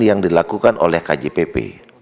yang dilakukan oleh kjpp